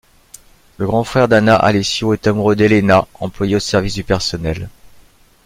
Le grand-frère d’Anna, Alessio, est amoureux d'Elena, employée au service du personnel.